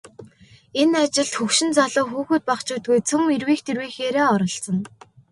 Энэ ажилд хөгшин залуу, хүүхэд багачуудгүй цөм эрвийх дэрвийхээрээ оролцоно.